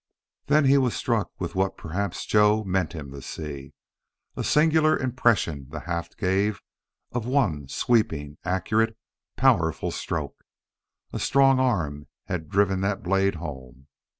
Then he was struck with what perhaps Joe meant him to see the singular impression the haft gave of one sweeping, accurate, powerful stroke. A strong arm had driven that blade home.